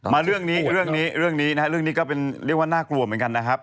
มาเรื่องนี้เรื่องนี้นะครับเรื่องนี้ก็เป็นเรียกว่าน่ากลัวเหมือนกันนะครับ